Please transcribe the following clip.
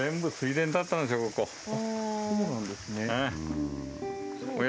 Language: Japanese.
そうなんですね。